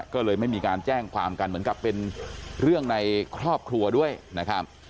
ก็เลยไม่มีการแจ้งความกันเหมือนกับเป็นเรื่องในครอบครัวด้วยนะครับ